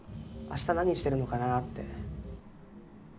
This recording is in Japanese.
明日何してるのかなって。